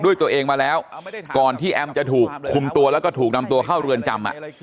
ด้วยตัวเองมาแล้วก่อนที่แอมจะถูกคุมตัวแล้วก็ถูกนำตัวเข้าเรือนจำ